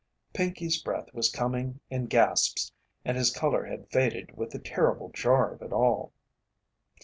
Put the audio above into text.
Pinkey's breath was coming in gasps and his colour had faded with the terrible jar of it all.